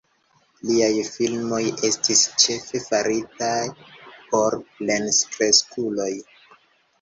Liaj filmoj estis ĉefe faritaj por plenkreskuloj.